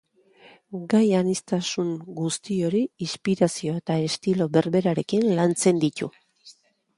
Gai aniztasun guzti hori inspirazio eta estilo berberarekin lantzen ditu.